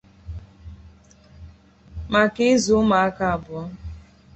maka izu ụmụaka abụọ.